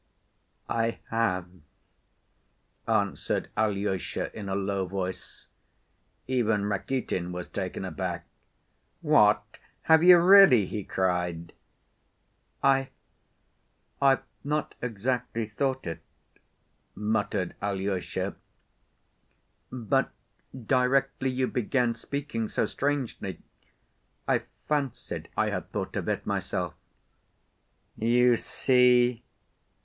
"I have," answered Alyosha in a low voice. Even Rakitin was taken aback. "What? Have you really?" he cried. "I ... I've not exactly thought it," muttered Alyosha, "but directly you began speaking so strangely, I fancied I had thought of it myself." "You see?